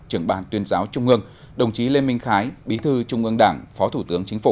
trưởng ban tuyên giáo trung ương đồng chí lê minh khái bí thư trung ương đảng phó thủ tướng chính phủ